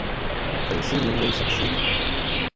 粉丝名为小狮子。